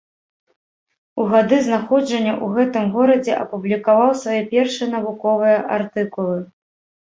У гады знаходжання ў гэтым горадзе апублікаваў свае першыя навуковыя артыкулы.